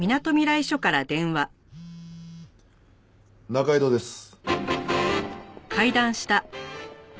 仲井戸です。